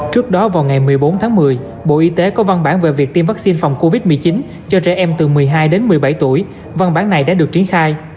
trước đó vào ngày một mươi bốn tháng một mươi bộ y tế có văn bản về việc tiêm vaccine phòng covid một mươi chín cho trẻ em từ một mươi hai đến một mươi bảy tuổi văn bản này đã được triển khai